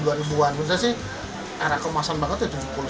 sebenarnya sih era kemasan banget ya tujuh puluh sembilan puluh itu sih